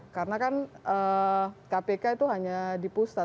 karena kan kpk itu hanya dipusat